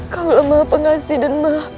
kau lemah pengasih dan maafkan aku